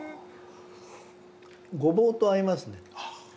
ごぼうと合いますね。